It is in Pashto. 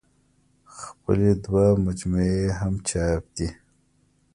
خپلې دوه مجموعې يې هم چاپ دي